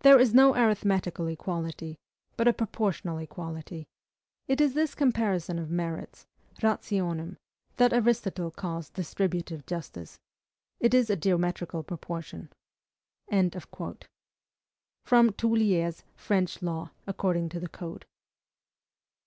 There is no arithmetical equality, but a proportional equality. It is this comparison of merits, rationum, that Aristotle calls distributive justice. It is a geometrical proportion." Toullier: French Law according to the Code.